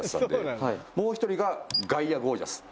もう１人がガイア・ゴー☆ジャス。